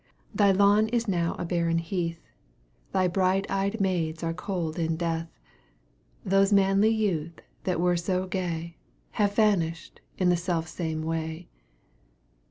Thy lawn is now a barren heath, Thy bright eyed maids are cold in death! Those manly youth that were so gay, Have vanished in the self same way!